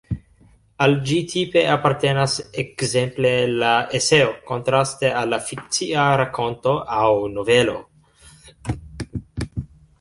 Al ĝi tipe apartenas, ekzemple, la eseo kontraste al la fikcia rakonto aŭ novelo.